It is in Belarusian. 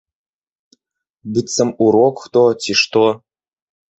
Быццам урок хто, ці што.